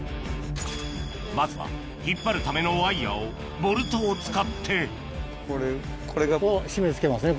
まずは引っ張るためのワイヤをボルトを使って締め付けますね